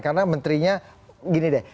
karena menterinya gini deh